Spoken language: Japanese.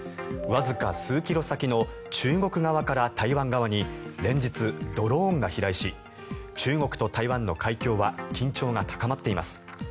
わずか数キロ先の中国側から台湾側に連日、ドローンが飛来し中国と台湾の海峡は緊張が高まっています。